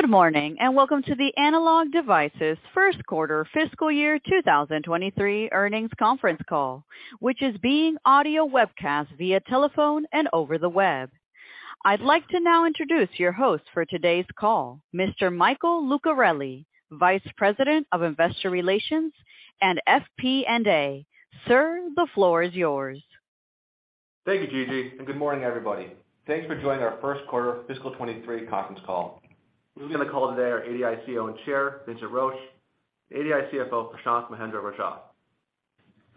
Good morning, and welcome to the Analog Devices Q1 fiscal year 2023 earnings conference call, which is being audio webcast via telephone and over the web. I'd like to now introduce your host for today's call, Mr. Michael Lucarelli, Vice President of Investor Relations and FP&A. Sir, the floor is yours. Thank you, Gigi. Good morning, everybody. Thanks for joining our Q1 fiscal 2023 conference call. Leading the call today are ADI CEO and Chair, Vincent Roche, ADI CFO, Prashanth Mahendra-Rajah.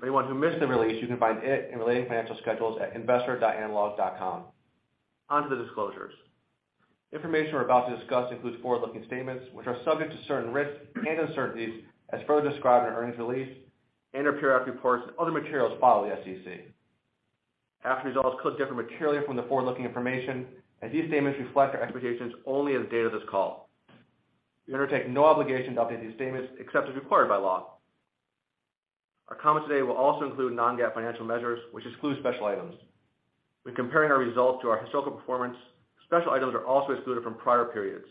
Anyone who missed the release, you can find it in related financial schedules at investor.analog.com. Onto the disclosures. Information we're about to discuss includes forward-looking statements, which are subject to certain risks and uncertainties as further described in earnings release, interim periodic reports, and other materials filed with the SEC. Actual results could differ materially from the forward-looking information. These statements reflect our expectations only as of the date of this call. We undertake no obligation to update these statements except as required by law. Our comments today will also include non-GAAP financial measures, which exclude special items. When comparing our results to our historical performance, special items are also excluded from prior periods.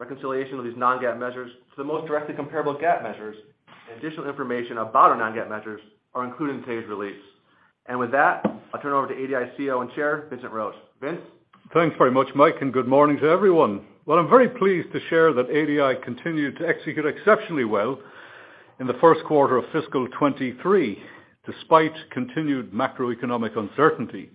Reconciliation of these non-GAAP measures to the most directly comparable GAAP measures and additional information about our non-GAAP measures are included in today's release. With that, I'll turn over to ADI CEO and Chair, Vincent Roche. Vince? Thanks very much, Michael, good morning to everyone. Well, I'm very pleased to share that ADI continued to execute exceptionally well in the Q1 of fiscal 2023, despite continued macroeconomic uncertainty.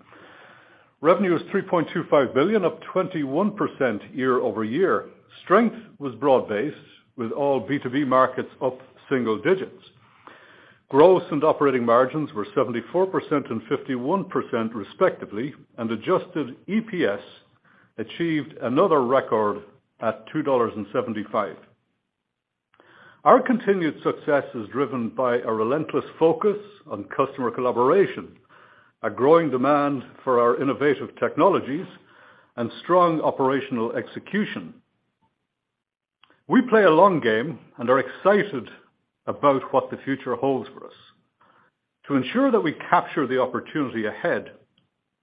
Revenue is $3.25 billion, up 21% quarter-over-quarter. Strength was broad-based, with all B2B markets up single digits. Gross and operating margins were 74% and 51%, respectively, and adjusted EPS achieved another record at $2.75. Our continued success is driven by a relentless focus on customer collaboration, a growing demand for our innovative technologies, and strong operational execution. We play a long game and are excited about what the future holds for us. To ensure that we capture the opportunity ahead,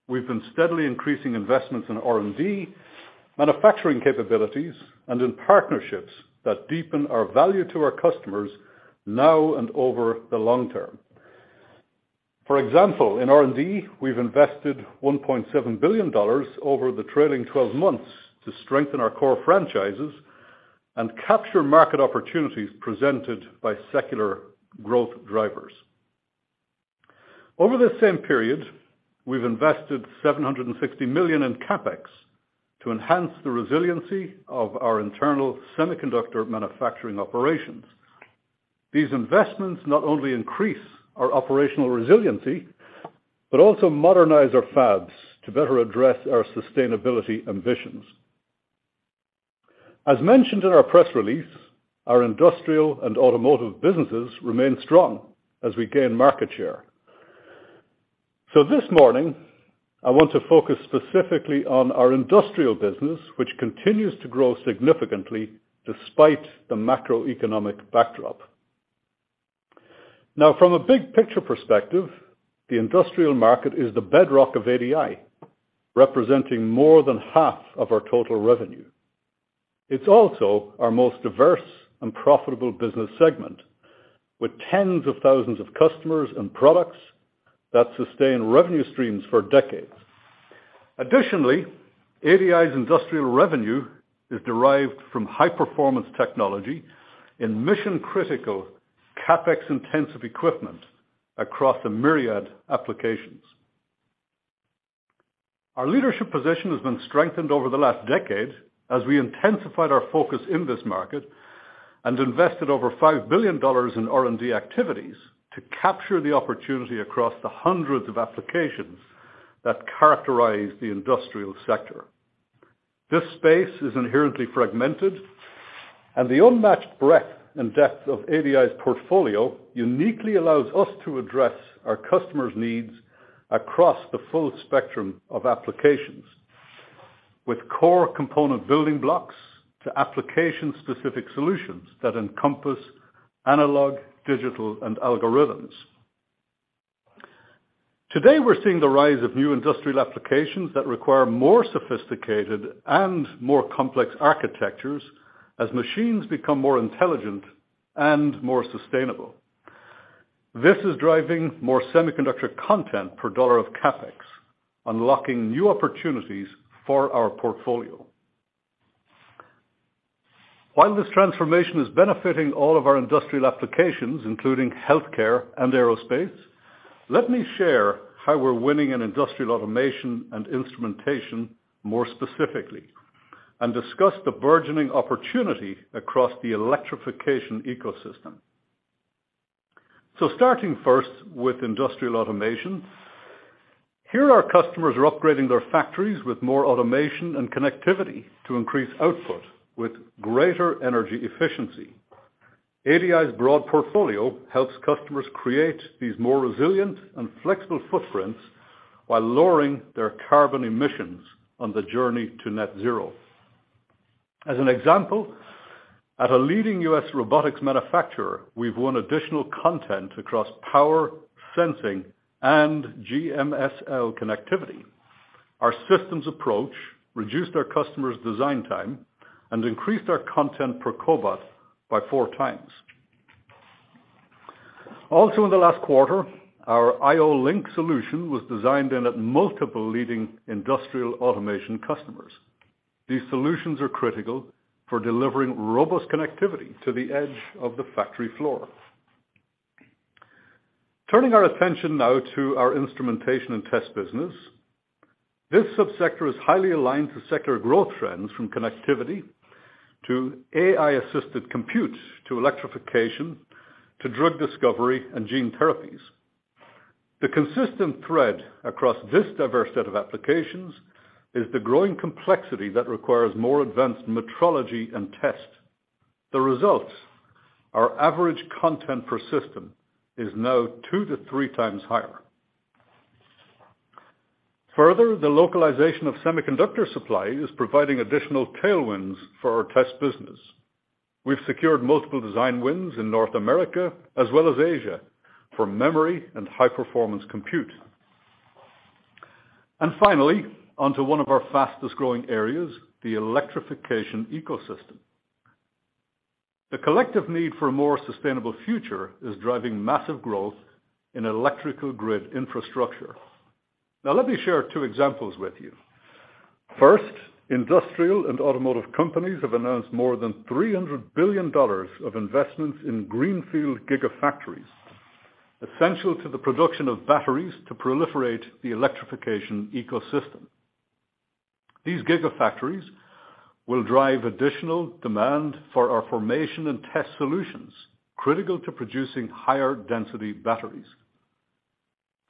we've been steadily increasing investments in R&D, manufacturing capabilities, and in partnerships that deepen our value to our customers now and over the long term. For example, in R&D, we've invested $1.7 billion over the trailing 12 months to strengthen our core franchises and capture market opportunities presented by secular growth drivers. Over this same period, we've invested $760 million in CapEx to enhance the resiliency of our internal semiconductor manufacturing operations. These investments not only increase our operational resiliency, but also modernize our fabs to better address our sustainability ambitions. As mentioned in our press release, our industrial and automotive businesses remain strong as we gain market share. This morning, I want to focus specifically on our industrial business, which continues to grow significantly despite the macroeconomic backdrop. From a big picture perspective, the industrial market is the bedrock of ADI, representing more than half of our total revenue. It's also our most diverse and profitable business segment, with tens of thousands of customers and products that sustain revenue streams for decades. ADI's industrial revenue is derived from high-performance technology in mission-critical, CapEx-intensive equipment across a myriad applications. Our leadership position has been strengthened over the last decade as we intensified our focus in this market and invested over $5 billion in R&D activities to capture the opportunity across the hundreds of applications that characterize the industrial sector. This space is inherently fragmented, the unmatched breadth and depth of ADI's portfolio uniquely allows us to address our customers' needs across the full spectrum of applications, with core component building blocks to application-specific solutions that encompass analog, digital, and algorithms. Today, we're seeing the rise of new industrial applications that require more sophisticated and more complex architectures as machines become more intelligent and more sustainable. This is driving more semiconductor content per dollar of CapEx, unlocking new opportunities for our portfolio. While this transformation is benefiting all of our industrial applications, including healthcare and aerospace, let me share how we're winning in industrial automation and instrumentation more specifically and discuss the burgeoning opportunity across the electrification ecosystem. Starting first with industrial automation. Here, our customers are upgrading their factories with more automation and connectivity to increase output with greater energy efficiency. ADI's broad portfolio helps customers create these more resilient and flexible footprints while lowering their carbon emissions on the journey to net zero. As a leading U.S. robotics manufacturer, we've won additional content across power, sensing, and GMSL connectivity. Our systems approach reduced our customers' design time and increased our content per cobot by 4x. In the last quarter, our IO-Link solution was designed in at multiple leading industrial automation customers. These solutions are critical for delivering robust connectivity to the edge of the factory floor. Turning our attention now to our instrumentation and test business. This sub-sector is highly aligned to sector growth trends from connectivity to AI-assisted compute, to electrification, to drug discovery and gene therapies. The consistent thread across this diverse set of applications is the growing complexity that requires more advanced metrology and test. The results, our average content per system is now two to three times higher. Further, the localization of semiconductor supply is providing additional tailwinds for our test business. We've secured multiple design wins in North America as well as Asia for memory and high-performance compute. Finally, onto one of our fastest-growing areas, the electrification ecosystem. The collective need for a more sustainable future is driving massive growth in electrical grid infrastructure. Now let me share two examples with you. First, industrial and automotive companies have announced more than $300 billion of investments in greenfield gigafactories, essential to the production of batteries to proliferate the electrification ecosystem. These gigafactories will drive additional demand for our formation and test solutions, critical to producing higher density batteries.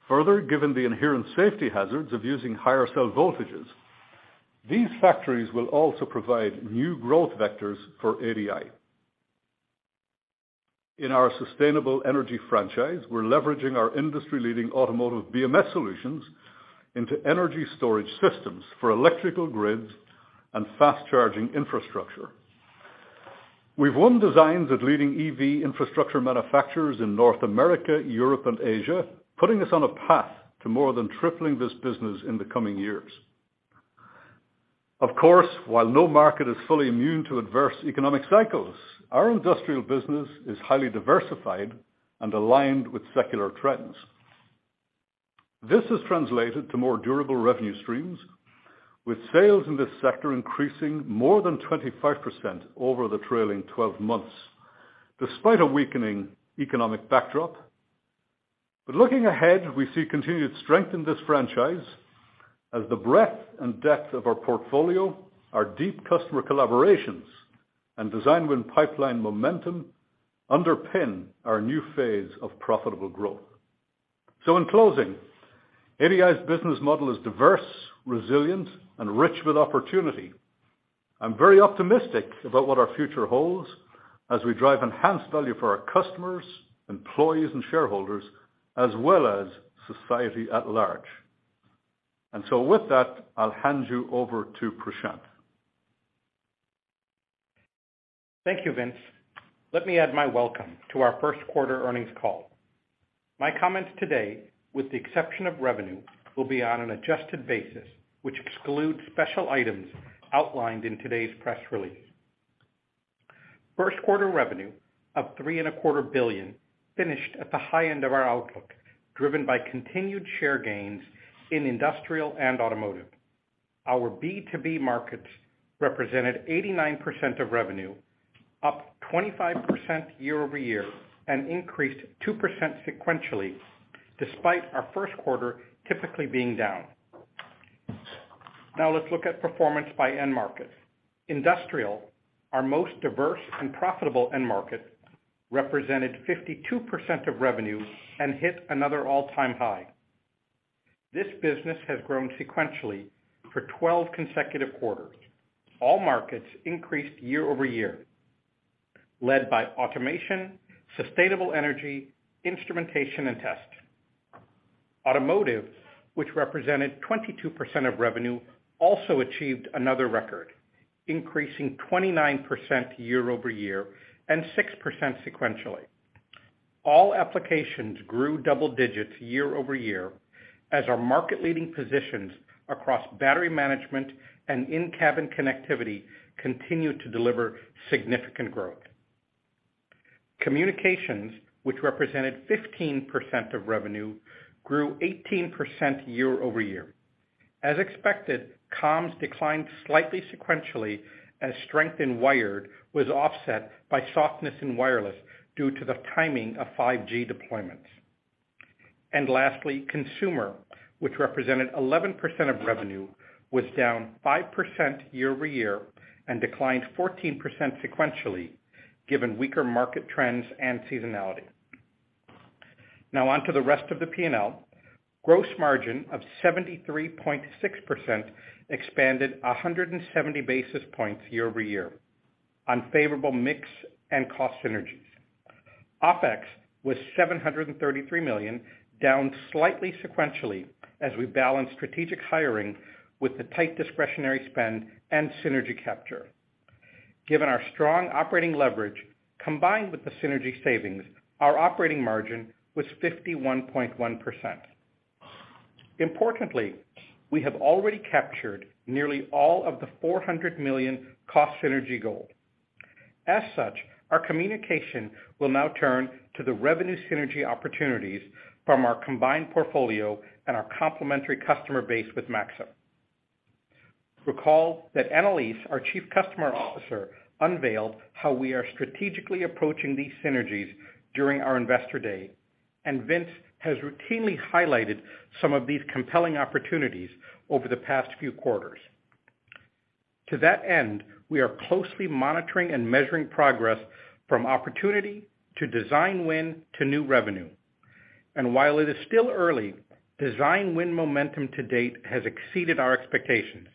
Further, given the inherent safety hazards of using higher cell voltages, these factories will also provide new growth vectors for ADI. In our sustainable energy franchise, we're leveraging our industry-leading automotive BMS solutions into energy storage systems for electrical grids and fast charging infrastructure. We've won designs at leading EV infrastructure manufacturers in North America, Europe, and Asia, putting us on a path to more than tripling this business in the coming years. Of course, while no market is fully immune to adverse economic cycles, our industrial business is highly diversified and aligned with secular trends. This has translated to more durable revenue streams, with sales in this sector increasing more than 25% over the trailing 12 months, despite a weakening economic backdrop. Looking ahead, we see continued strength in this franchise as the breadth and depth of our portfolio, our deep customer collaborations, and design win pipeline momentum underpin our new phase of profitable growth. In closing, ADI's business model is diverse, resilient, and rich with opportunity. I'm very optimistic about what our future holds as we drive enhanced value for our customers, employees, and shareholders, as well as society at large. With that, I'll hand you over to Prashant. Thank you, Vince. Let me add my welcome to our Q1 earnings call. My comments today, with the exception of revenue, will be on an adjusted basis, which excludes special items outlined in today's press release. Q1 revenue of three and a quarter billion finished at the high end of our outlook, driven by continued share gains in Industrial and Automotive. Our B2B markets represented 89% of revenue, up 25% quarter-over-quarter, and increased 2% sequentially despite our Q1 typically being down. Let's look at performance by end market. Industrial, our most diverse and profitable end market, represented 52% of revenue and hit another all-time high. This business has grown sequentially for 12 consecutive quarters. All markets increased quarter-over-quarter, led by automation, sustainable energy, instrumentation, and test. Automotive, which represented 22% of revenue, also achieved another record, increasing 29% quarter-over-quarter and 6% sequentially. All applications grew double digits quarter-over-quarter as our market leading positions across battery management and in-cabin connectivity continued to deliver significant growth. Communications, which represented 15% of revenue, grew 18% quarter-over-quarter. As expected, comms declined slightly sequentially as strength in wired was offset by softness in wireless due to the timing of 5G deployments. Lastly, consumer, which represented 11% of revenue, was down 5% quarter-over-quarter and declined 14% sequentially, given weaker market trends and seasonality. Now on to the rest of the P&L. Gross margin of 73.6% expanded 170 basis points quarter-over-quarter on favorable mix and cost synergies. OpEx was $733 million, down slightly sequentially as we balanced strategic hiring with the tight discretionary spend and synergy capture. Given our strong operating leverage combined with the synergy savings, our operating margin was 51.1%. Importantly, we have already captured nearly all of the $400 million cost synergy goal. As such, our communication will now turn to the revenue synergy opportunities from our combined portfolio and our complimentary customer base with Maxim. Recall that Anneliese, our Chief Customer Officer, unveiled how we are strategically approaching these synergies during our investor day, and Vince has routinely highlighted some of these compelling opportunities over the past few quarters. While it is still early, design win momentum to date has exceeded our expectations.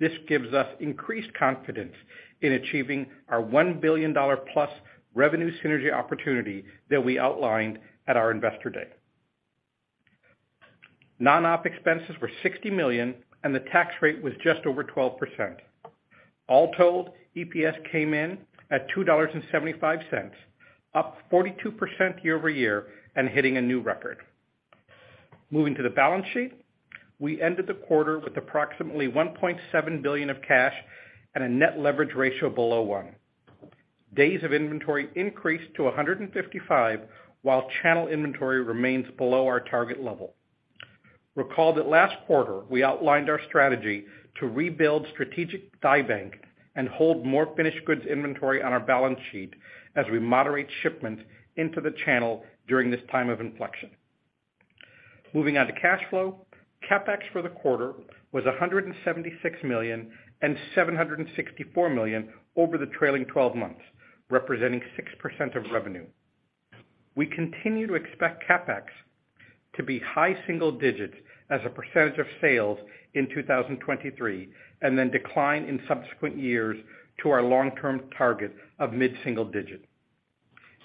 This gives us increased confidence in achieving our $1 billion-plus revenue synergy opportunity that we outlined at our investor day. non-OpEx were $60 million and the tax rate was just over 12%. All told, EPS came in at $2.75, up 42% quarter-over-quarter and hitting a new record. Moving to the balance sheet, we ended the quarter with approximately $1.7 billion of cash and a net leverage ratio below 1. Days of inventory increased to 155, while channel inventory remains below our target level. Recall last quarter we outlined our strategy to rebuild strategic die bank and hold more finished goods inventory on our balance sheet as we moderate shipment into the channel during this time of inflection. Moving on to cash flow, CapEx for the quarter was $176 million and $764 million over the trailing 12 months, representing 6% of revenue. We continue to expect CapEx to be high single digits as a percentage of sales in 2023, then decline in subsequent years to our long-term target of mid-single digit.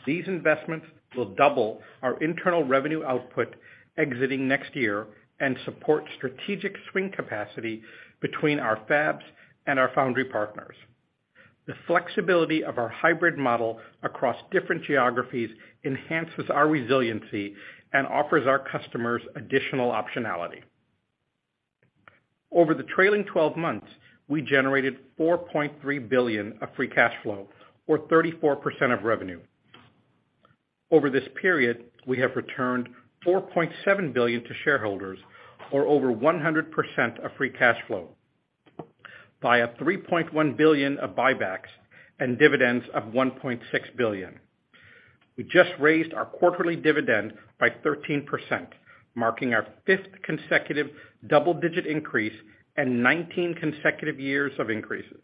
These investments will double our internal revenue output exiting next year and support strategic swing capacity between our fabs and our foundry partners. The flexibility of our hybrid model across different geographies enhances our resiliency and offers our customers additional optionality. Over the trailing 12 months, we generated $4.3 billion of free cash flow or 34% of revenue. Over this period, we have returned $4.7 billion to shareholders or over 100% of free cash flow by a $3.1 billion of buybacks and dividends of $1.6 billion. We just raised our quarterly dividend by 13%, marking our 5th consecutive double-digit increase and 19 consecutive years of increases.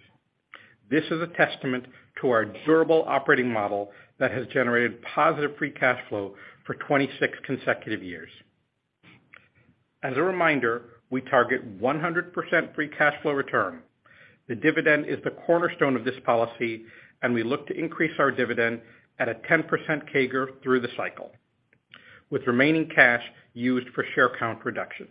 This is a testament to our durable operating model that has generated positive free cash flow for 26 consecutive years. As a reminder, we target 100% free cash flow return. The dividend is the cornerstone of this policy, and we look to increase our dividend at a 10% CAGR through the cycle, with remaining cash used for share count reduction.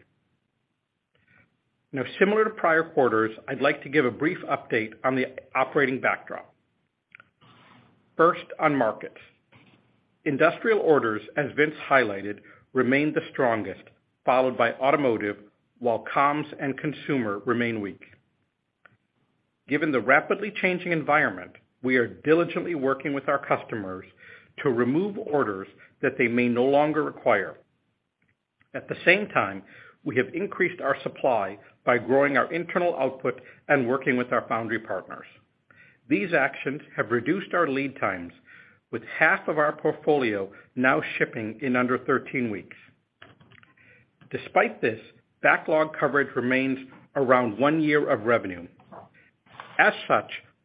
Similar to prior quarters, I'd like to give a brief update on the operating backdrop. On markets. Industrial orders, as Vince highlighted, remain the strongest, followed by automotive, while comms and consumer remain weak. Given the rapidly changing environment, we are diligently working with our customers to remove orders that they may no longer require. At the same time, we have increased our supply by growing our internal output and working with our foundry partners. These actions have reduced our lead times, with half of our portfolio now shipping in under 13 weeks. Despite this, backlog coverage remains around 1 year of revenue.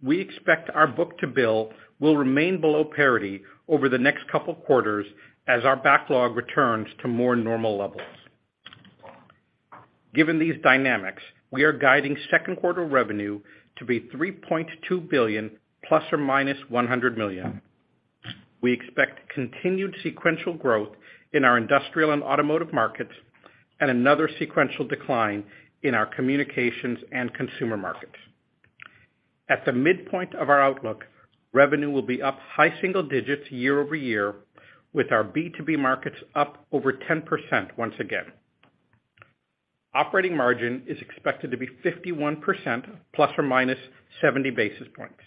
We expect our book-to-bill will remain below parity over the next couple quarters as our backlog returns to more normal levels. Given these dynamics, we are guiding Q2 revenue to be $3.2 billion ± $100 million. We expect continued sequential growth in our industrial and automotive markets and another sequential decline in our communications and consumer markets. At the midpoint of our outlook, revenue will be up high single digits quarter-over-quarter, with our B2B markets up over 10% once again. Operating margin is expected to be 51% ± 70 basis points.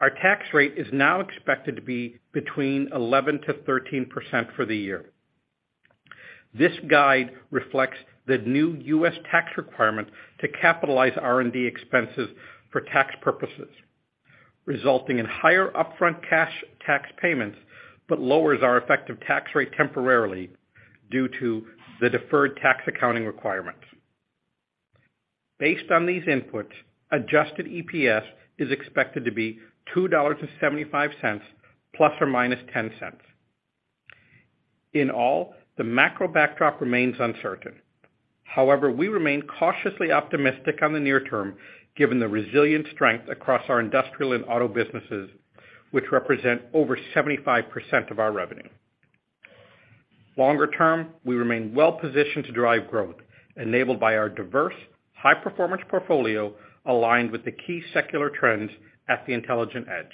Our tax rate is now expected to be between 11%-13% for the year. This guide reflects the new U.S. tax requirement to capitalize R&D expenses for tax purposes, resulting in higher upfront cash tax payments, but lowers our effective tax rate temporarily due to the deferred tax accounting requirements. Based on these inputs, adjusted EPS is expected to be $2.75 ±$0.10. In all, the macro backdrop remains uncertain. We remain cautiously optimistic on the near term, given the resilient strength across our industrial and auto businesses, which represent over 75% of our revenue. Longer term, we remain well positioned to drive growth enabled by our diverse high-performance portfolio aligned with the key secular trends at the intelligent edge.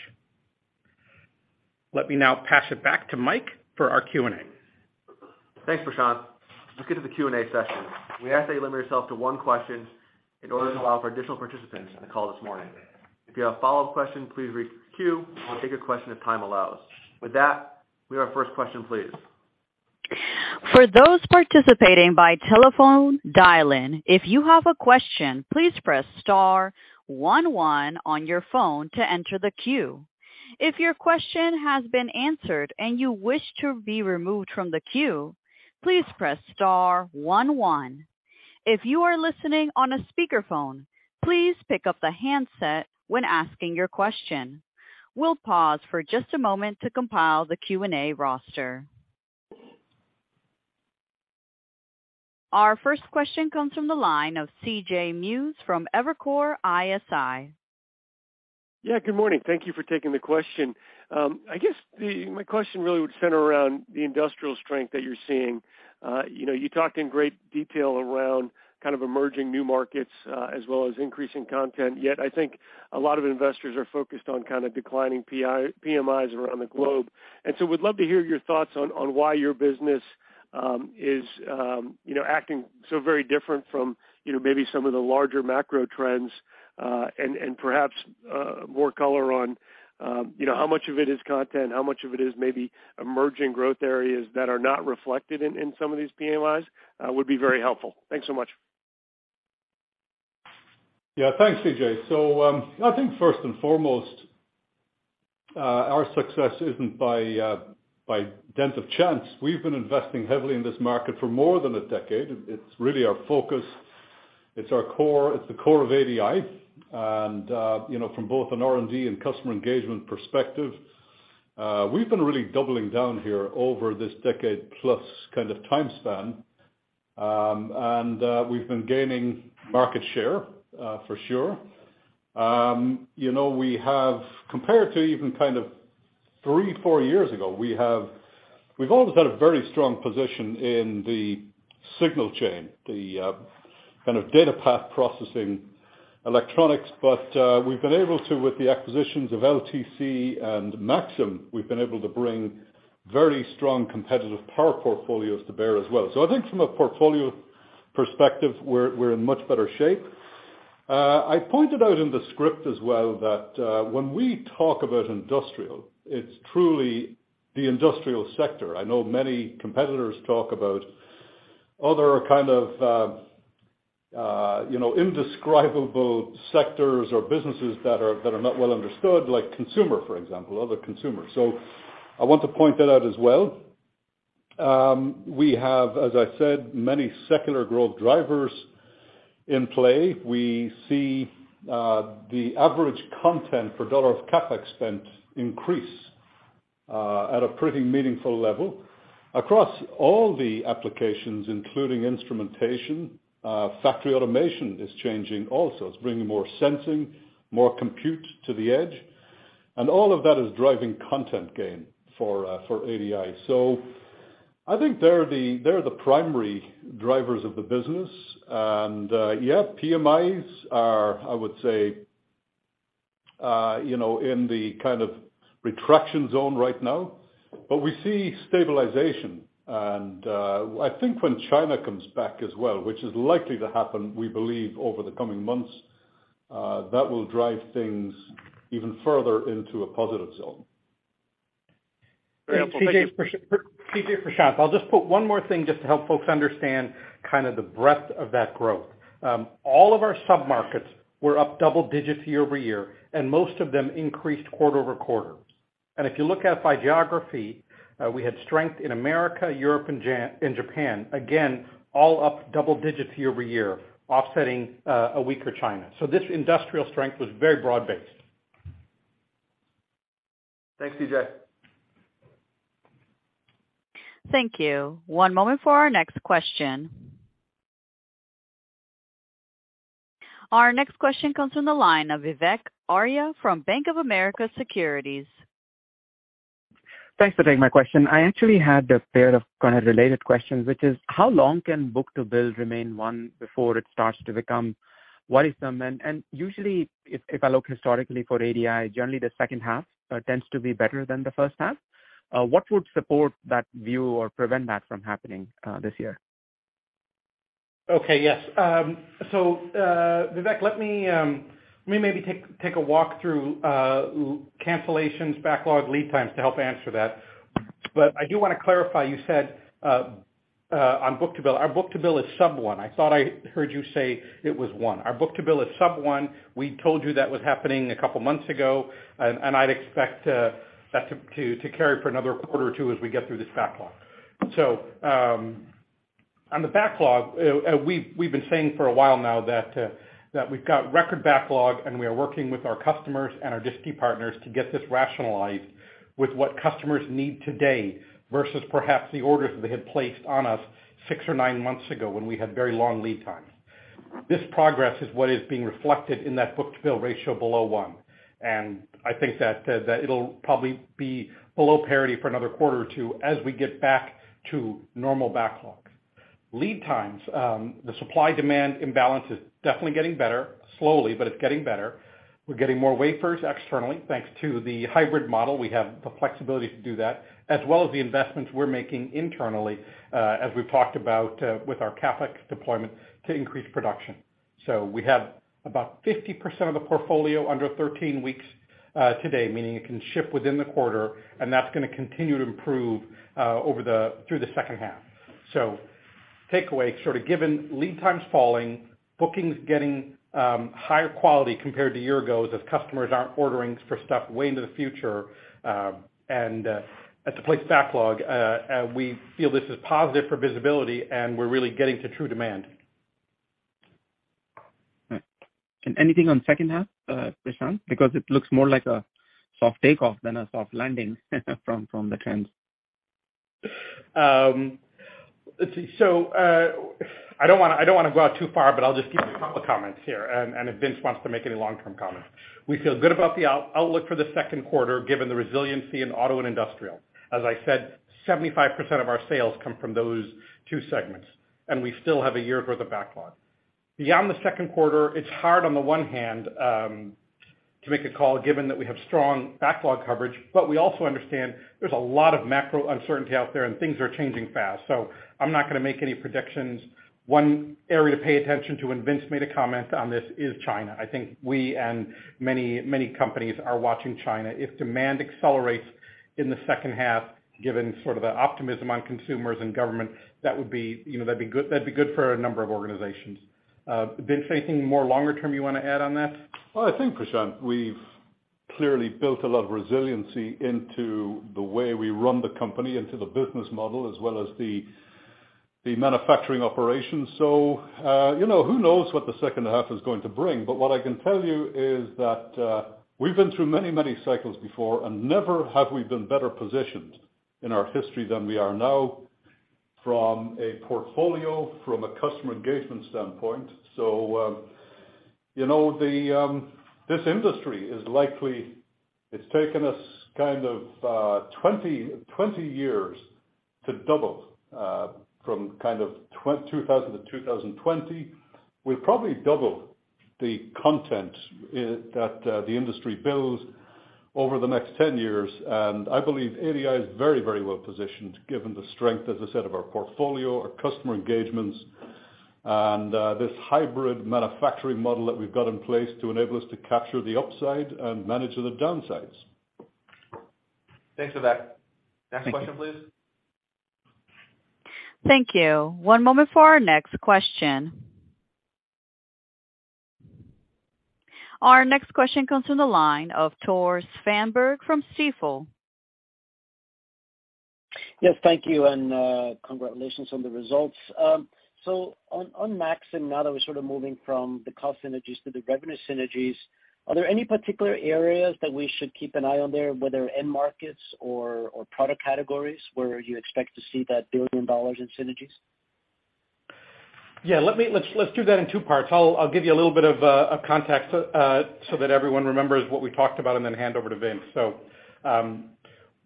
Let me now pass it back to Mike for our Q&A. Thanks, Prashant. Let's get to the Q&A session. We ask that you limit yourself to one question in order to allow for additional participants on the call this morning. If you have a follow-up question, please re-queue. We'll take your question if time allows. With that, we have our first question, please. For those participating by telephone dial-in, if you have a question, please press star one one on your phone to enter the queue. If your question has been answered and you wish to be removed from the queue, please press star one one. If you are listening on a speakerphone, please pick up the handset when asking your question. We'll pause for just a moment to compile the Q&A roster. Our first question comes from the line of C.J. Muse from Evercore ISI. Yeah, good morning. Thank you for taking the question. I guess my question really would center around the industrial strength that you're seeing. You know, you talked in great detail around kind of emerging new markets, as well as increasing content. Yet I think a lot of investors are focused on kind of declining PMIs around the globe. We'd love to hear your thoughts on why your business is, you know, acting so very different from, you know, maybe some of the larger macro trends, and perhaps more color on, you know, how much of it is content, how much of it is maybe emerging growth areas that are not reflected in some of these PMIs, would be very helpful. Thanks so much. Yeah. Thanks, C.J. I think first and foremost, our success isn't by dent of chance. We've been investing heavily in this market for more than a decade. It's really our focus. It's our core. It's the core of ADI. You know, from both an R&D and customer engagement perspective, we've been really doubling down here over this decade plus kind of time span. We've been gaining market share for sure. You know, we have compared to even kind of three, four years ago, we've always had a very strong position in the signal chain, the kind of data path processing electronics. We've been able to with the acquisitions of LTC and Maxim, we've been able to bring very strong competitive power portfolios to bear as well. I think from a portfolio perspective, we're in much better shape. I pointed out in the script as well that when we talk about industrial, it's truly the industrial sector. I know many competitors talk about other kind of, you know, indescribable sectors or businesses that are not well understood, like consumer, for example, other consumers. I want to point that out as well. We have, as I said, many secular growth drivers in play. We see the average content per dollar of CapEx spent increase at a pretty meaningful level across all the applications, including instrumentation. Factory automation is changing also. It's bringing more sensing, more compute to the edge, and all of that is driving content gain for ADI. I think they're the primary drivers of the business. Yeah, PMIs are, I would say, you know, in the kind of retraction zone right now. We see stabilization. I think when China comes back as well, which is likely to happen, we believe over the coming months, that will drive things even further into a positive zone. Very helpful. CJ- Thanks, C.J. C.J. for Prashant. I'll just put one more thing just to help folks understand kind of the breadth of that growth. All of our sub-markets were up double digits quarter-over-quarter, and most of them increased quarter-over-quarter. If you look at by geography, we had strength in America, Europe, and Japan, again, all up double digits quarter-over-quarter, offsetting, a weaker China. This industrial strength was very broad-based. Thanks, C.J. Thank you. One moment for our next question. Our next question comes from the line of Vivek Arya from Bank of America Securities. Thanks for taking my question. I actually had a pair of kind of related questions, which is how long can book-to-bill remain one before it starts to become worrisome? Usually if I look historically for ADI, generally the H2 tends to be better than the H1. What would support that view or prevent that from happening this year? Okay. Yes. Vivek, let me maybe take a walk through cancellations, backlog, lead times to help answer that. I do wanna clarify, you said on book-to-bill. Our book-to-bill is sub one. I thought I heard you say it was 1. Our book-to-bill is sub one. We told you that was happening a couple months ago, and I'd expect that to carry for another quarter or two as we get through this backlog. On the backlog, we've been saying for a while now that we've got record backlog, and we are working with our customers and our disti partners to get this rationalized with what customers need today versus perhaps the orders they had placed on us six or nine months ago when we had very long lead times This progress is what is being reflected in that book-to-bill ratio below one, I think that it'll probably be below parity for another quarter or two as we get back to normal backlogs. Lead times. The supply-demand imbalance is definitely getting better, slowly, but it's getting better. We're getting more wafers externally. Thanks to the hybrid model, we have the flexibility to do that, as well as the investments we're making internally, as we've talked about, with our CapEx deployment to increase production. We have about 50% of the portfolio under 13 weeks today, meaning it can ship within the quarter, and that's gonna continue to improve over the, through the H2. Takeaway, sort of given lead times falling, bookings getting higher quality compared to year goes as customers aren't ordering for stuff way into the future, and as to place backlog, we feel this is positive for visibility, and we're really getting to true demand. All right. Anything on H2, Prashanth? Because it looks more like a soft takeoff than a soft landing from the trends. Let's see. I don't wanna, I don't wanna go out too far, but I'll just give you a couple comments here, and if Vince wants to make any long-term comments. We feel good about the out-outlook for the Q2 given the resiliency in auto and industrial. As I said, 75% of our sales come from those two segments, and we still have a year's worth of backlog. Beyond the Q2, it's hard on the one hand, to make a call given that we have strong backlog coverage, but we also understand there's a lot of macro uncertainty out there, and things are changing fast. I'm not gonna make any predictions. One area to pay attention to, and Vince made a comment on this, is China. I think we and many companies are watching China. If demand accelerates in the H2, given sort of the optimism on consumers and government, that would be, you know, that'd be good for a number of organizations. Vince, anything more longer term you wanna add on that? I think, Prashant, we've clearly built a lot of resiliency into the way we run the company, into the business model, as well as the manufacturing operations. You know, who knows what the H2 is going to bring? What I can tell you is that we've been through many, many cycles before, and never have we been better positioned in our history than we are now from a portfolio, from a customer engagement standpoint. You know, this industry is likely, it's taken us kind of 20 years to double from kind of 2000 to 2020. We'll probably double the content that the industry builds over the next 10 years. I believe ADI is very, very well positioned given the strength, as I said, of our portfolio, our customer engagements, and this hybrid manufacturing model that we've got in place to enable us to capture the upside and manage the downsides. Thanks for that. Thank you. Next question, please. Thank you. One moment for our next question. Our next question comes from the line of Tore Svanberg from Stifel. Yes, thank you, and congratulations on the results. On Maxim, now that we're sort of moving from the cost synergies to the revenue synergies, are there any particular areas that we should keep an eye on there, whether end markets or product categories, where you expect to see that $1 billion in synergies? Let me do that in two parts. I'll give you a little bit of context so that everyone remembers what we talked about and then hand over to Vince.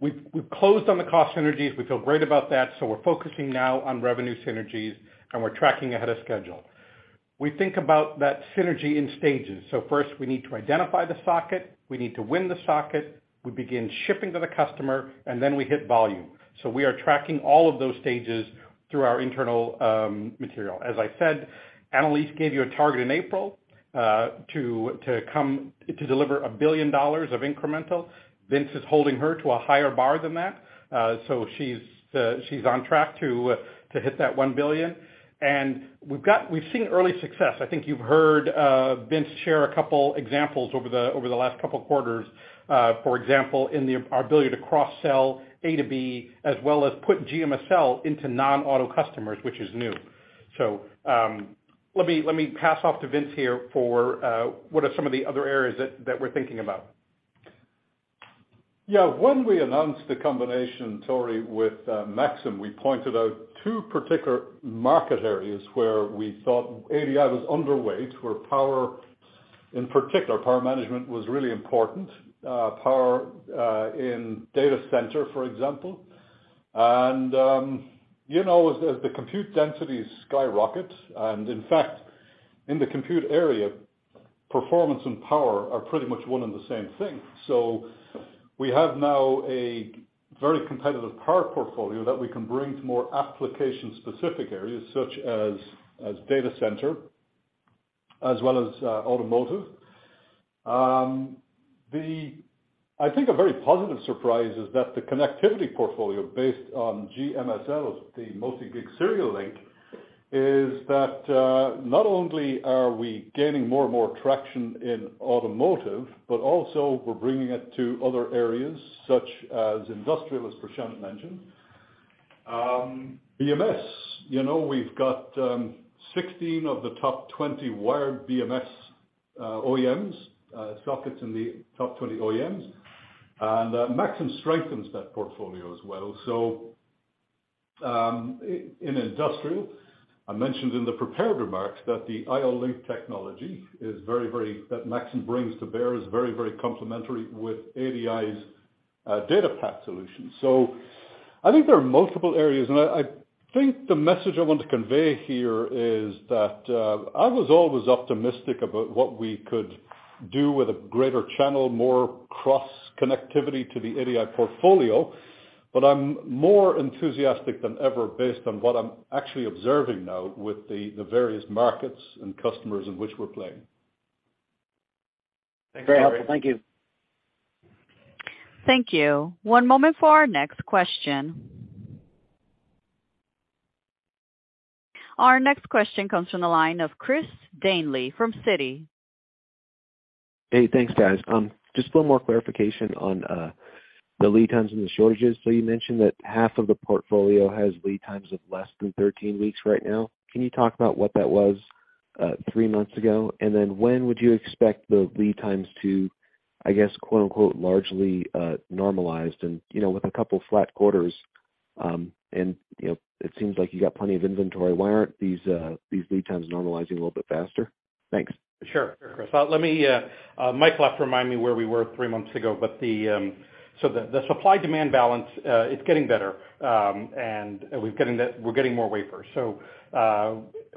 We've closed on the cost synergies. We feel great about that, so we're focusing now on revenue synergies, and we're tracking ahead of schedule. We think about that synergy in stages. First we need to identify the socket, we need to win the socket, we begin shipping to the customer, and then we hit volume. We are tracking all of those stages through our internal material. As I said, Anneliese gave you a target in April to deliver $1 billion of incremental. Vince is holding her to a higher bar than that, so she's on track to hit that $1 billion. We've seen early success. I think you've heard Vince share a couple examples over the last couple quarters, for example, our ability to cross-sell A2B as well as put GMSL into non-auto customers, which is new. Let me pass off to Vince here for what are some of the other areas that we're thinking about. Yeah. When we announced the combination, Tore, with Maxim, we pointed out two particular market areas where we thought ADI was underweight, where power, in particular, power management was really important, power in data center, for example. You know, as the compute densities skyrocket, and in fact, in the compute area, performance and power are pretty much one and the same thing. We have now a very competitive power portfolio that we can bring to more application-specific areas such as data center as well as automotive. I think a very positive surprise is that the connectivity portfolio based on GMSL, the multi-gig serial link, is that not only are we gaining more and more traction in automotive, but also we're bringing it to other areas such as industrial, as Prashant mentioned BMS, you know, we've got 16 of the top 20 wired BMS, OEMs, sockets in the top 20 OEMs, and Maxim strengthens that portfolio as well. In industrial, I mentioned in the prepared remarks that the IO-Link technology is very, very that Maxim brings to bear is very, very complementary with ADI's data pack solution. I think there are multiple areas. I think the message I want to convey here is that I was always optimistic about what we could do with a greater channel, more cross-connectivity to the ADI portfolio. I'm more enthusiastic than ever based on what I'm actually observing now with the various markets and customers in which we're playing. Very helpful. Thank you. Thank you. One moment for our next question. Our next question comes from the line of Chris Danely from Citi. Hey, thanks, guys. Just a little more clarification on the lead times and the shortages. You mentioned that half of the portfolio has lead times of less than 13 weeks right now. Can you talk about what that was 3 months ago? When would you expect the lead times to, I guess, quote-unquote, "largely," normalized and, you know, with a couple of flat quarters, and, you know, it seems like you got plenty of inventory. Why aren't these lead times normalizing a little bit faster? Thanks. Sure. Sure, Chris. Let me, Mike will have to remind me where we were three months ago. The supply demand balance, it's getting better, and we're getting more wafers.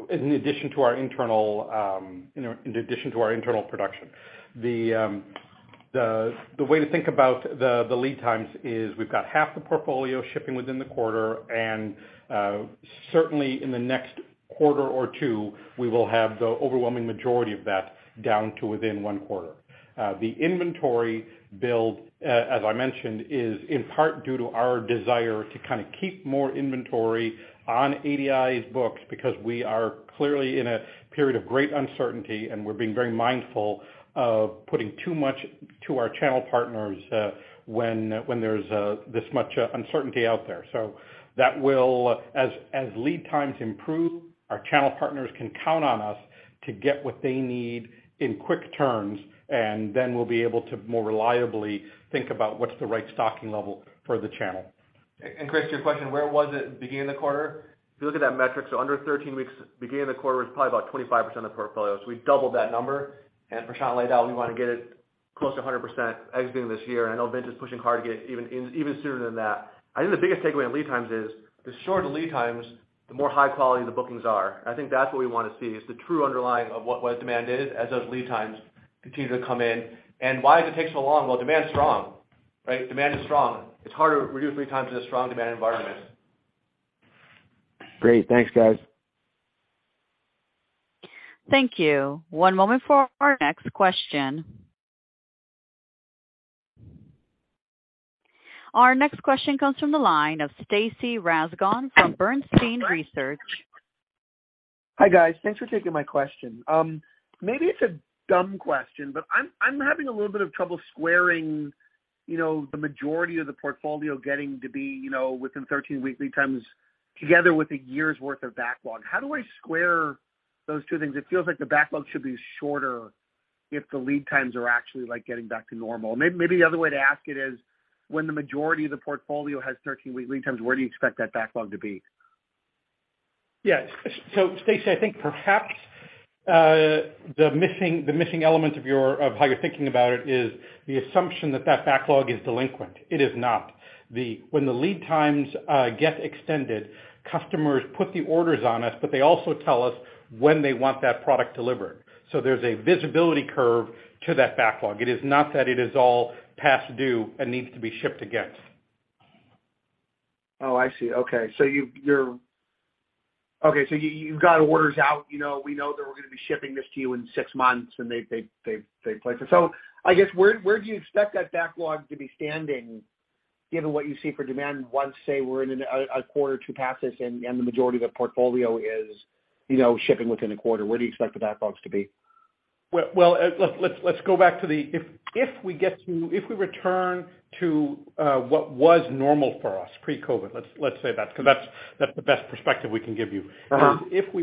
In addition to our internal, you know, in addition to our internal production. The way to think about the lead times is we've got half the portfolio shipping within the quarter, and certainly in the next quarter or two, we will have the overwhelming majority of that down to within one quarter. The inventory build, as I mentioned, is in part due to our desire to kind of keep more inventory on ADI's books, because we are clearly in a period of great uncertainty, and we're being very mindful of putting too much to our channel partners, when there's this much uncertainty out there. As lead times improve, our channel partners can count on us to get what they need in quick terms, then we'll be able to more reliably think about what's the right stocking level for the channel. Chris Danely, to your question, where was it at the beginning of the quarter? If you look at that metric, under 13 weeks beginning of the quarter was probably about 25% of the portfolio. We doubled that number. Prashanth Mahendra-Rajah laid out, we wanna get it close to 100% exiting this year, and I know Vincent Roche is pushing hard to get even sooner than that. I think the biggest takeaway on lead times is the shorter the lead times, the more high quality the bookings are. I think that's what we wanna see, is the true underlying of what demand is as those lead times continue to come in. Why does it take so long? Well, demand is strong. Right? Demand is strong. It's harder to reduce lead times in a strong demand environment. Great. Thanks, guys. Thank you. One moment for our next question. Our next question comes from the line of Stacy Rasgon from Bernstein Research. Hi, guys. Thanks for taking my question. maybe it's a dumb question, but I'm having a little bit of trouble squaring, you know, the majority of the portfolio getting to be, you know, within 13 weekly times together with a year's worth of backlog. How do I square those two things? It feels like the backlog should be shorter if the lead times are actually, like, getting back to normal. maybe the other way to ask it is when the majority of the portfolio has 13-week lead times, where do you expect that backlog to be? Yes. Stacy, I think perhaps, the missing element of how you're thinking about it is the assumption that that backlog is delinquent. It is not. When the lead times get extended, customers put the orders on us. They also tell us when they want that product delivered. There's a visibility curve to that backlog. It is not that it is all past due and needs to be shipped against. I see. Okay. You've... Okay, you've got orders out, you know, we know that we're gonna be shipping this to you in six months, and they've placed it. I guess, where do you expect that backlog to be standing given what you see for demand once, say, we're in a quarter or two past this and the majority of the portfolio is, you know, shipping within a quarter? Where do you expect the backlogs to be? Well, let's go back to the, if we get to, if we return to what was normal for us pre-COVID, let's say that's, 'cause that's the best perspective we can give you. Uh-huh. If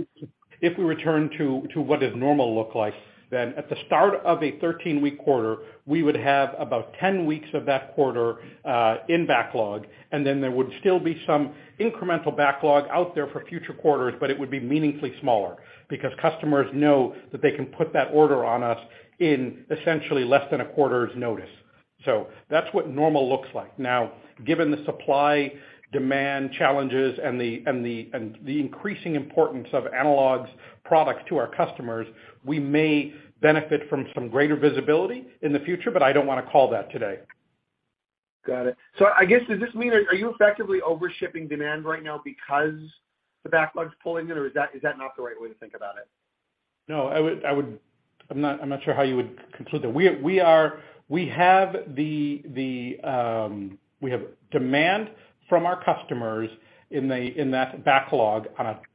we return to what is normal look like. At the start of a 13-week quarter, we would have about 10 weeks of that quarter in backlog. There would still be some incremental backlog out there for future quarters. It would be meaningfully smaller because customers know that they can put that order on us in essentially less than a quarter's notice. That's what normal looks like. Now, given the supply-demand challenges and the increasing importance of analog's products to our customers, we may benefit from some greater visibility in the future. I don't wanna call that today. Got it. I guess, does this mean are you effectively overshipping demand right now because the backlog's pulling it, or is that not the right way to think about it? No, I'm not sure how you would conclude that. We have the, we have demand from our customers in that backlog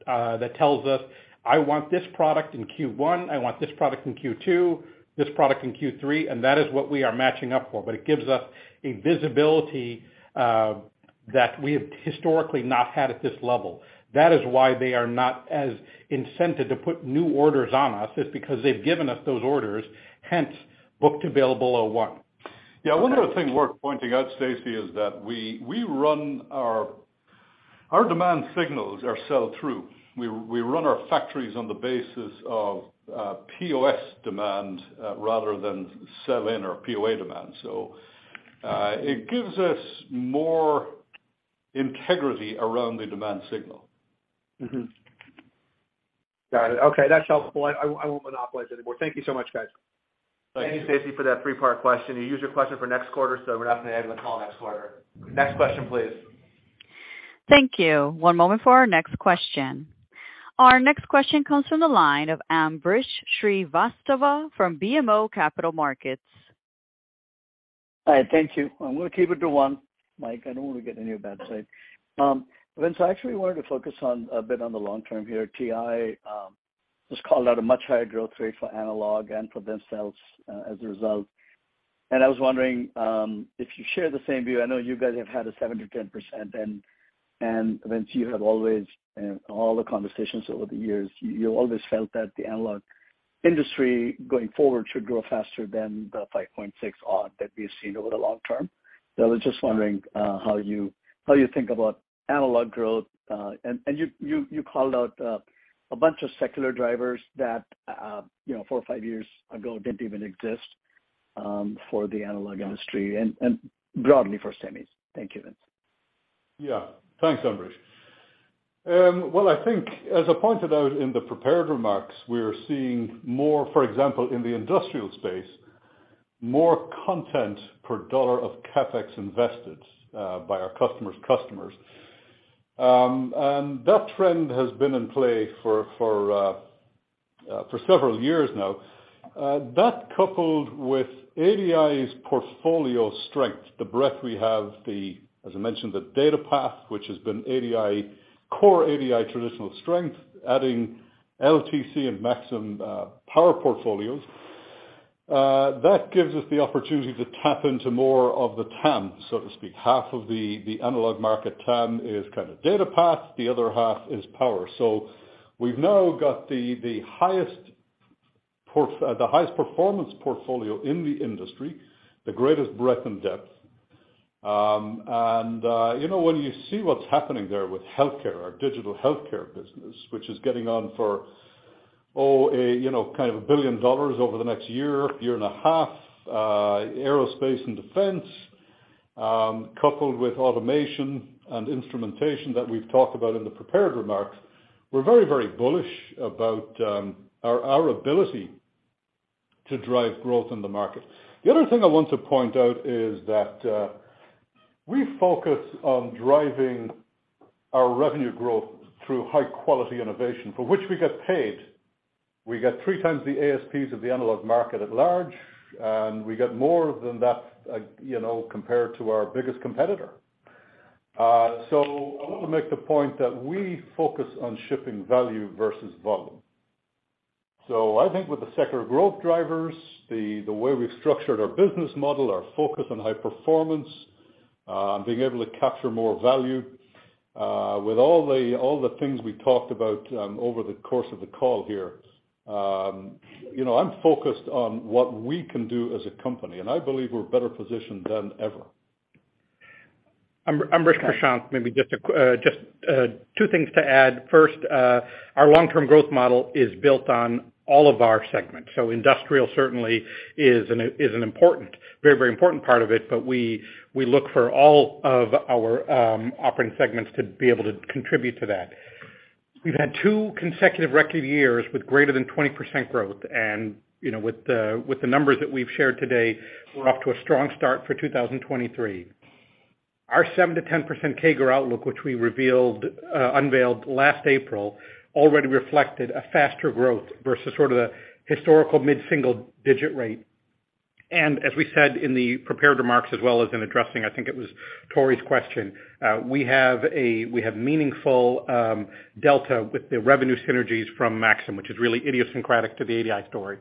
that tells us, "I want this product in Q1, I want this product in Q2, this product in Q3," and that is what we are matching up for. It gives us a visibility that we have historically not had at this level. That is why they are not as incented to put new orders on us, is because they've given us those orders, hence booked available 01. Yeah. One other thing worth pointing out, Stacy, is that we run our demand signals are sell-through. We run our factories on the basis of POS demand, rather than sell-in or POS demand. It gives us more integrity around the demand signal. Got it. Okay. That's helpful. I won't monopolize anymore. Thank you so much, guys. Thank you. Thank you, Stacy, for that three-part question. You used your question for next quarter, we're not gonna have you on the call next quarter. Next question, please. Thank you. One moment for our next question. Our next question comes from the line of Ambrish Srivastava from BMO Capital Markets. Hi. Thank you. I'm gonna keep it to 1, Mike, I don't want to get on your bad side. Vince, I actually wanted to focus on a bit on the long term here. TI just called out a much higher growth rate for analog and for themselves as a result. I was wondering if you share the same view. I know you guys have had a 7%-10% and Vince, you have always, in all the conversations over the years, you always felt that the analog industry going forward should grow faster than the 5.6% odd that we've seen over the long term. I was just wondering. Yeah. how you think about analog growth. You called out, a bunch of secular drivers that, you know, four or five years ago didn't even exist, for the analog industry. Yeah. Broadly for semis. Thank you, Vince. Yeah. Thanks, Ambrish. Well, I think as I pointed out in the prepared remarks, we are seeing more, for example, in the industrial space, more content per dollar of CapEx invested by our customers. That trend has been in play for several years now. That coupled with ADI's portfolio strength, the breadth we have, the, as I mentioned, the data path, which has been ADI, core ADI traditional strength, adding LTC and Maxim power portfolios, that gives us the opportunity to tap into more of the TAM, so to speak. Half of the analog market TAM is kind of data path, the other half is power. We've now got the highest performance portfolio in the industry, the greatest breadth and depth. When you see what's happening there with healthcare, our digital healthcare business, which is getting on for $1 billion over the next year and a half, aerospace and defense, coupled with automation and instrumentation that we've talked about in the prepared remarks, we're very, very bullish about our ability to drive growth in the market. The other thing I want to point out is that we focus on driving our revenue growth through high quality innovation for which we get paid. We get three times the ASPs of the analog market at large, and we get more than that compared to our biggest competitor. I want to make the point that we focus on shipping value versus volume. I think with the sector growth drivers, the way we've structured our business model, our focus on high performance, being able to capture more value, with all the things we talked about, over the course of the call here, you know, I'm focused on what we can do as a company, and I believe we're better positioned than ever. Ambrish, Krishank, maybe just two things to add. First, our long-term growth model is built on all of our segments. Industrial certainly is an important, very important part of it, but we look for all of our operating segments to be able to contribute to that. We've had two consecutive record years with greater than 20% growth. You know, with the numbers that we've shared today, we're off to a strong start for 2023. Our 7%-10% CAGR outlook, which we unveiled last April, already reflected a faster growth versus sort of the historical mid-single digit rate. As we said in the prepared remarks, as well as in addressing, I think it was Tory's question, we have meaningful delta with the revenue synergies from Maxim, which is really idiosyncratic to the ADI story.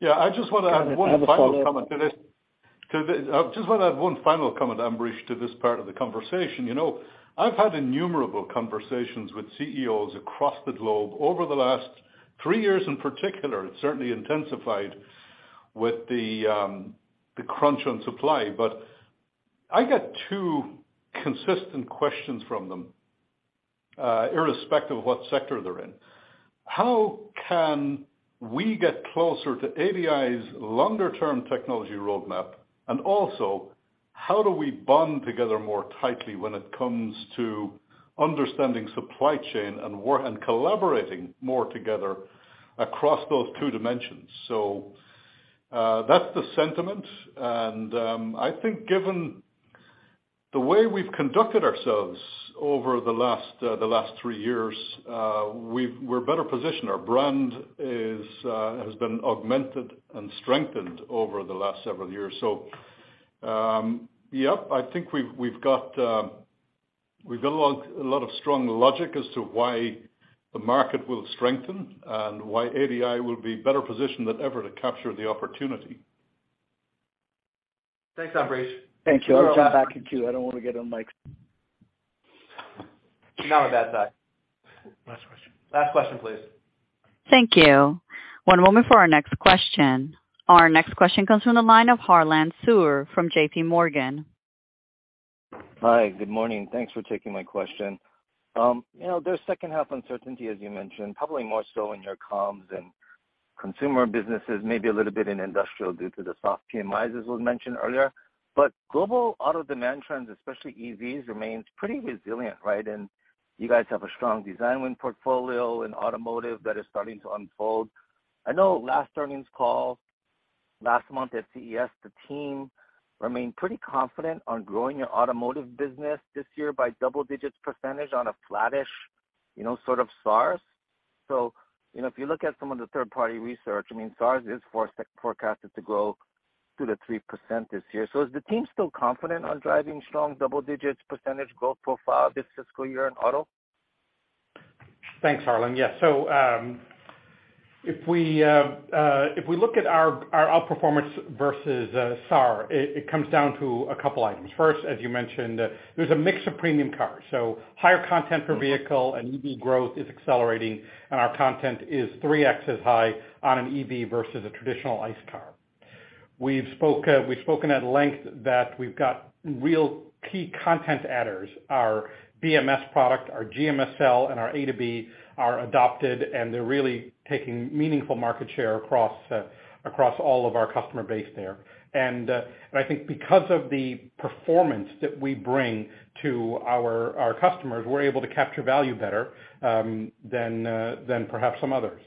Yeah. I just wanna add one final comment to this. Understood. I just wanna add one final comment, Ambrish, to this part of the conversation. You know, I've had innumerable conversations with CEOs across the globe over the last three years in particular. It certainly intensified with the crunch on supply. I get two consistent questions from them, irrespective of what sector they're in. "How can we get closer to ADI's longer-term technology roadmap? Also, how do we bond together more tightly when it comes to understanding supply chain and collaborating more together across those two dimensions?" That's the sentiment. I think given the way we've conducted ourselves over the last three years, we're better positioned. Our brand is has been augmented and strengthened over the last several years. We've got a lot of strong logic as to why the market will strengthen and why ADI will be better positioned than ever to capture the opportunity. Thanks, Ambrish. Thank you. I'll jump back in queue. I don't wanna get on mic. Not with that tie. Last question. Last question, please. Thank you. One moment for our next question. Our next question comes from the line of Harlan Sur from J.P. Morgan. Hi, good morning. Thanks for taking my question. You know, there's H2 uncertainty, as you mentioned, probably more so in your comms and consumer businesses, maybe a little bit in industrial due to the soft PMIs, as was mentioned earlier. Global auto demand trends, especially EVs, remains pretty resilient, right? You guys have a strong design win portfolio in automotive that is starting to unfold. I know last earnings call, last month at CES, the team remained pretty confident on growing your automotive business this year by double-digits % on a flattish, you know, sort of SARS. You know, if you look at some of the third party research, I mean, SARS is forecasted to grow to the 3% this year. Is the team still confident on driving strong double-digits % growth profile this fiscal year in auto? Thanks, Harlan. Yes. If we look at our outperformance versus SAR, it comes down to two items. First, as you mentioned, there's a mix of premium cars, so higher content per vehicle and EV growth is accelerating, and our content is 3x high on an EV versus a traditional ICE car. We've spoken at length that we've got real key content adders. Our BMS product, our GMSL, and our A2B are adopted, and they're really taking meaningful market share across all of our customer base there. I think because of the performance that we bring to our customers, we're able to capture value better than perhaps some others.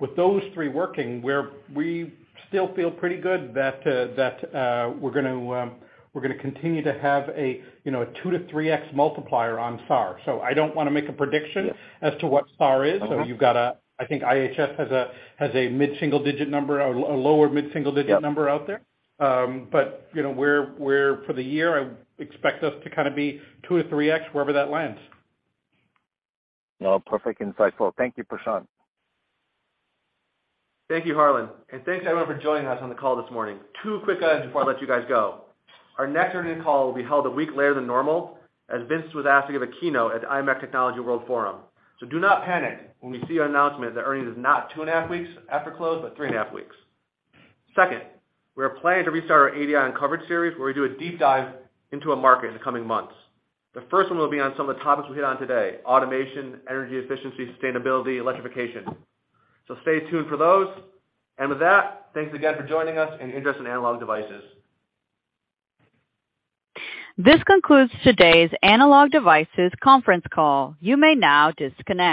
With those three working, we still feel pretty good that we're gonna continue to have a, you know, 2 to 3x multiplier on SAR. I don't wanna make a prediction- Yeah. as to what SAR is. Mm-hmm. I think IHS has a mid-single digit number, a lower mid-single digit number. Yep. Out there. You know, we're, for the year, I expect us to kinda be 2 to 3x, wherever that lands. Perfect insight. Thank you, Prashant. Thank you, Harlan, and thanks everyone for joining us on the call this morning. Two quick items before I let you guys go. Our next earnings call will be held a week later than normal, as Vince was asked to give a keynote at the imec Technology World Forum. Do not panic when we see our announcement that earnings is not 2.5 weeks after close, but 3.5 weeks. Second, we are planning to restart our ADI Uncovered series, where we do a deep dive into a market in the coming months. The first one will be on some of the topics we hit on today, automation, energy efficiency, sustainability, electrification. Stay tuned for those. With that, thanks again for joining us, and your interest in Analog Devices. This concludes today's Analog Devices conference call. You may now disconnect.